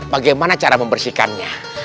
bagaimana cara membersihkannya